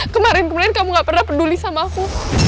kemarin kemarin kamu gak pernah peduli sama aku